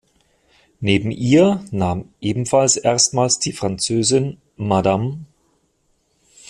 Neben ihr nahm ebenfalls erstmals die Französin Mme.